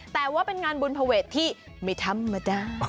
แต่ว่าเป็นงานบุญภเวทที่ไม่ธรรมดา